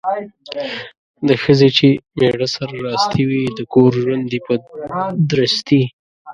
د ښځې چې میړه سره راستي وي ،د کور ژوند یې په درستي